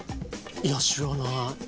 いや知らない。